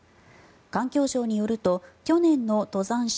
環境省によると、去年の登山者